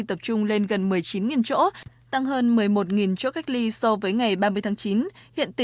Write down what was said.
tập trung lên gần một mươi chín chỗ tăng hơn một mươi một chỗ cách ly so với ngày ba mươi tháng chín hiện